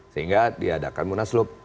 sehingga diadakan munaslup